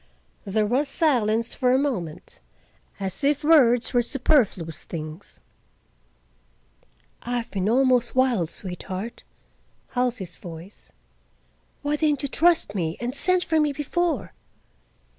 There was silence for a moment, as if words were superfluous things. "I have been almost wild, sweetheart,"—Halsey's voice. "Why didn't you trust me, and send for me before?"